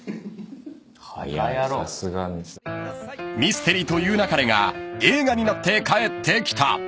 ［『ミステリと言う勿れ』が映画になって帰ってきた］